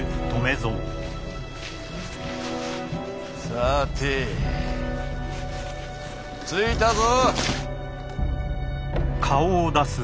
さて着いたぞ。